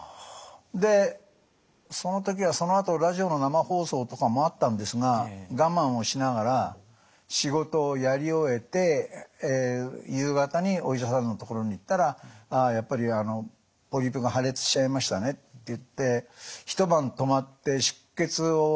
でその時はそのあとラジオの生放送とかもあったんですが我慢をしながら仕事をやり終えて夕方にお医者さんのところに行ったら「ああやっぱりポリープが破裂しちゃいましたね」って言って一晩泊まって出血を止めることができるかってやった。